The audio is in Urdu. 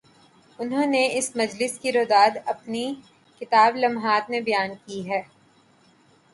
انہوں نے اس مجلس کی روداد اپنی کتاب "لمحات" میں بیان کی ہے۔